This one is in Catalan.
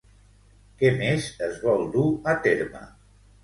Què més es vol dur a terme?